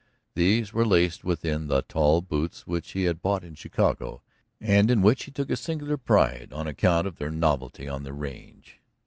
These were laced within the tall boots which he had bought in Chicago, and in which he took a singular pride on account of their novelty on the range.